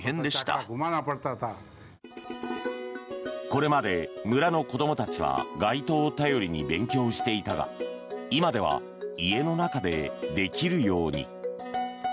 これまで村の子どもたちは街灯を頼りに勉強していたが今では家の中でできるように。